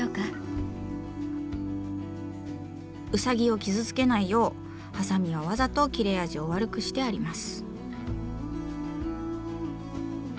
ウサギを傷つけないようハサミはわざと切れ味を悪くしてあります。